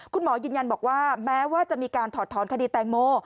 คุณหมอยืนยันบอกว่าแม้ว่าจะมีการถอดถอนคดีแตงโม